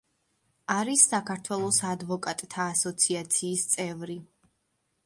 არის საქართველოს ადვოკატთა ასოციაციის წევრი.